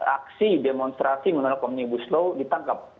aksi demonstrasi mengenal komunikasi slow ditangkap